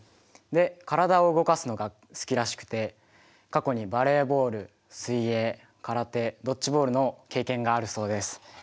で体を動かすのが好きらしくて過去にバレーボール水泳空手ドッジボールの経験があるそうです。